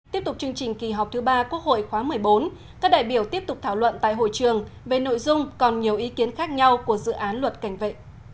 tiếp tục chương trình kỳ họp thứ ba quốc hội khóa một mươi bốn các đại biểu tiếp tục thảo luận tại hội trường về nội dung còn nhiều ý kiến khác nhau của dự án luật cảnh vệ